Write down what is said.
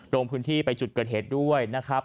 ลงพื้นที่ไปจุดเกิดเหตุด้วยนะครับ